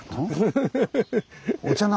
フフフフ。